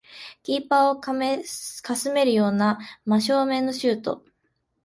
キーパーをかすめるような真正面のシュート